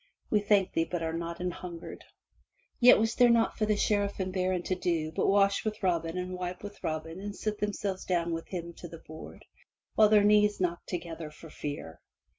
"We thank thee but are not an hungered!" Yet was there naught for the Sheriff and baron to do but wash with Robin and wipe with Robin and set themselves down with him to the board, while their knees knocked together for fear.